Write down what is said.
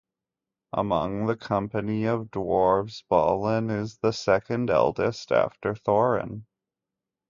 Among the company of dwarves, Balin is the second-eldest after Thorin.